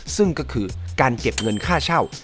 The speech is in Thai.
ซึ่งก็คือการเก็บเงินค่าเช่า